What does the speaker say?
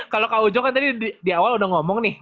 kalau kak ujo kan tadi di awal udah ngomong nih